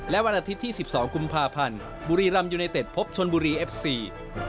และวันอาทิตย์ที่๑๒กุมภาพันธ์บุรีรำยูไนเต็ดพบชนบุรีเอฟซี